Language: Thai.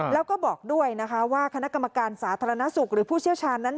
แล้วก็บอกด้วยนะคะว่าคณะกรรมการสาธารณสุขหรือผู้เชี่ยวชาญนั้น